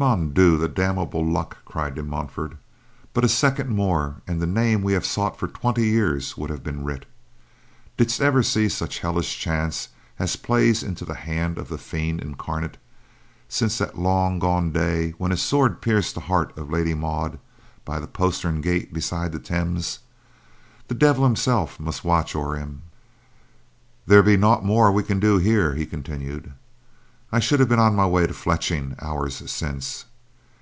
"Mon Dieu! The damnable luck!" cried De Montfort, "but a second more and the name we have sought for twenty years would have been writ. Didst ever see such hellish chance as plays into the hand of the fiend incarnate since that long gone day when his sword pierced the heart of Lady Maud by the postern gate beside the Thames? The Devil himself must watch o'er him. "There be naught more we can do here," he continued. "I should have been on my way to Fletching hours since.